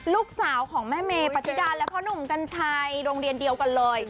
ลูกสาวของแม่เมปฏิดาและพ่อหนุ่มกัญชัยโรงเรียนเดียวกันเลย